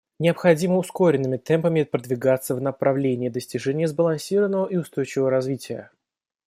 Необходимо ускоренными темпами продвигаться в направлении достижения сбалансированного и устойчивого развития.